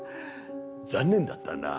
残念だったな。